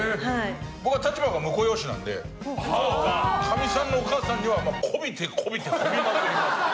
僕は立場が婿養子なんでかみさんのお母さんにはこびてこびてこびまくります。